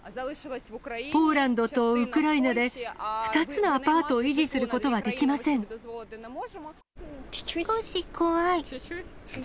ポーランドとウクライナで、２つのアパートを維持することは少し怖い。